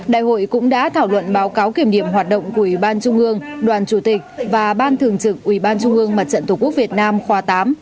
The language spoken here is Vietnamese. đại hội cũng đã thảo luận báo cáo kiểm điểm hoạt động của ủy ban trung ương đoàn chủ tịch và ban thường trực ủy ban trung ương mặt trận tổ quốc việt nam khoa tám